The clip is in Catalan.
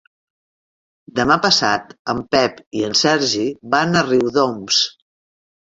Demà passat en Pep i en Sergi van a Riudoms.